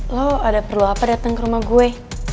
lo ada perlu apa datang ke rumah gue